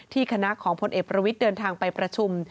คณะของพลเอกประวิทย์เดินทางไปประชุม